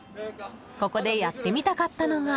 ここで、やってみたかったのが。